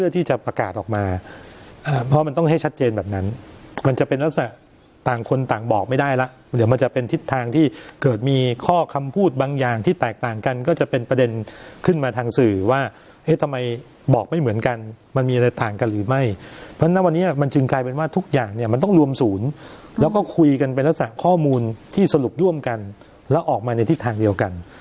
แต่ว่าต่างคนต่างบอกไม่ได้แล้วหรือมันจะเป็นทิศทางที่เกิดมีข้อคำพูดบางอย่างที่แตกต่างกันก็จะเป็นประเด็นขึ้นมาทางสื่อว่าเอ๊ะทำไมบอกไม่เหมือนกันมันมีอะไรต่างกันหรือไม่เพราะฉะนั้นวันนี้มันจึงกลายเป็นว่าทุกอย่างเนี่ยมันต้องรวมศูนย์แล้วก็คุยกันไปแล้วสร้างข้อมูลที่สรุปร่วมกันแล้วอ